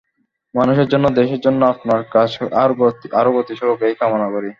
মানুষের জন্য, দেশের জন্য আপনার কাজ আরও গতিশীল হোক—এই কামনা করি।